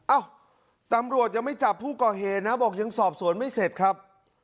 เอ้าตำรวจยังไม่จับผู้ก่อเหตุนะบอกยังสอบสวนไม่เสร็จครับ